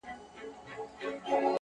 علم د ناپوهۍ زنجیر ماتوي!.